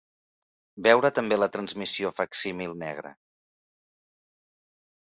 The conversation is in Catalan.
Veure també la transmissió facsímil negre.